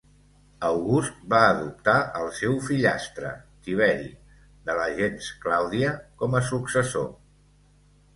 August va adoptar el seu fillastre Tiberi, de la gens Clàudia, com a successor.